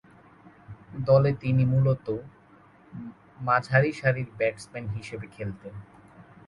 দলে তিনি মূলতঃ মাঝারিসারির ব্যাটসম্যান হিসেবে খেলতেন।